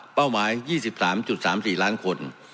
หมาย๒๓๓๔ล้านคน